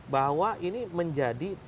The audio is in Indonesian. bahwa ini menjadi